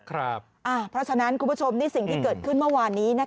เพราะฉะนั้นคุณผู้ชมนี่สิ่งที่เกิดขึ้นเมื่อวานนี้